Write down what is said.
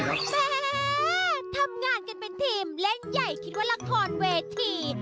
แม่ทำงานกันเป็นทีมเล่นใหญ่คิดว่าละครเวที